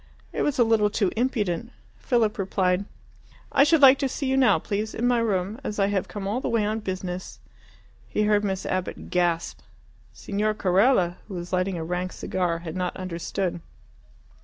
It was a little too impudent. Philip replied, "I should like to see you now, please, in my room, as I have come all the way on business." He heard Miss Abbott gasp. Signor Carella, who was lighting a rank cigar, had not understood.